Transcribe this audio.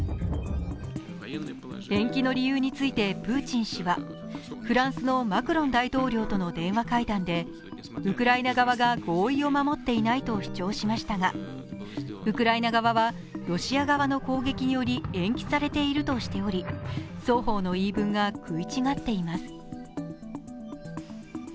延期の理由についてプーチン氏はフランスのマクロン大統領との電話会談でウクライナ側が合意を守っていないと主張しましたが、ウクライナ側はロシア側の攻撃により延期されていると言い、双方の言い分が食い違っています。